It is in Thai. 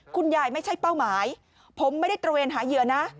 ไม่ใช่เป้าหมายผมไม่ได้ตระเวนหาเหยื่อนะ